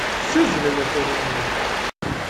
Ssazzlen asaru-nni.